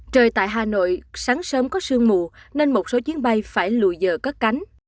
trời tại hà nội sáng sớm có sương mù nên một số chuyến bay phải lùi dở các cánh